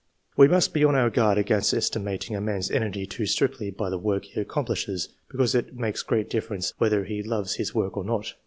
We must be on our guard against estimating a man's energy too strictly by the work he accom plishes, because it makes great difference whether he loves his work or not.